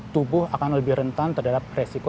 tubuh akan lebih rentan terhadap resiko